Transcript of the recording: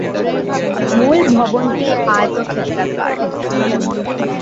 মূল ভবনটি আয়তক্ষেত্রাকার।